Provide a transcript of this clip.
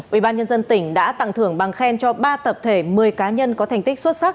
ủy ban nhân dân tỉnh đã tặng thưởng bằng khen cho ba tập thể một mươi cá nhân có thành tích xuất sắc